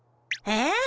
えっ？